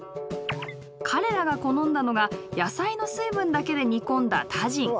彼らが好んだのが野菜の水分だけで煮込んだタジン。